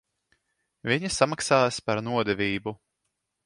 Viņi samaksās par nodevību.